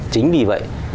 chính vì vậy